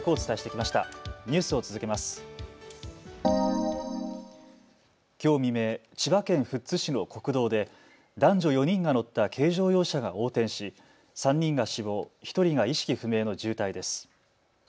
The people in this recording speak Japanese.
きょう未明、千葉県富津市の国道で男女４人が乗った軽乗用車が横転し、３人が死亡、１人が意識不明の重体です。